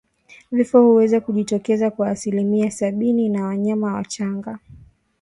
Vifo huweza kujitokeza kwa asilimia sabini ya wanyama wachanga